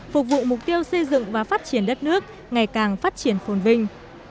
phục vụ mục tiêu xây dựng và phát triển đất nước ngày càng phát triển phồn vinh